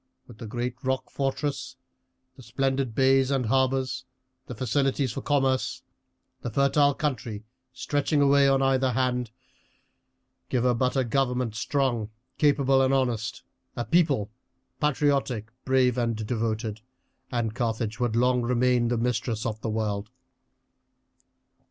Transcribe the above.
With the great rock fortress, the splendid bays and harbours, the facilities for commerce, the fertile country stretching away on either hand; give her but a government strong, capable, and honest, a people patriotic, brave, and devoted, and Carthage would long remain the mistress of the world."